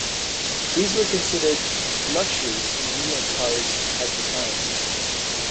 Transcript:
These were considered luxuries in Indian cars at the time.